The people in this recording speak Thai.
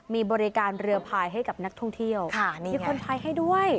มีบริการเรือพายให้กับนักท่องเที่ยวมีคนไทยให้ด้วย